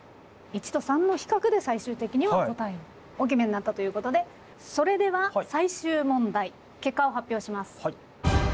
①と③の比較で最終的には答えをお決めになったということでそれでは最終問題結果を発表します。